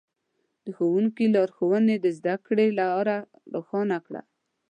د ښوونکي لارښوونې د زده کړې لاره روښانه کړه.